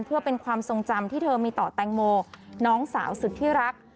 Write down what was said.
เพื่อเป็นความทรงจำที่เธอมีต่อแตงโมน้องสาวสุดที่รัก